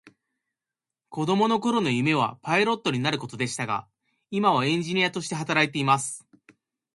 子供の頃の夢はパイロットになることでしたが、今はエンジニアとして働いています。